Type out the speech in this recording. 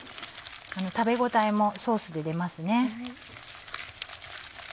食べ応えもソースで出ますね。